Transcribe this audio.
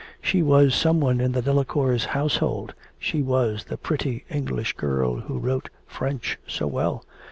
She was some one in the Delacours' household, she was the pretty English girl who wrote French so well.